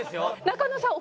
仲野さん